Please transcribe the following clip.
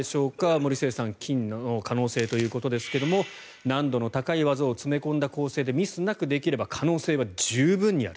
森末さん金の可能性ということですが難度の高い技を詰め込んだ構成でミスなくできれば可能性は十分にある。